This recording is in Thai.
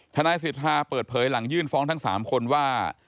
ทนายสิทธาเปิดเผยหลังยื่นฟ้องทั้ง๓คนว่า